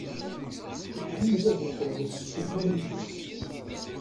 Iḥemmel ad iḥewwes s ukanic-is.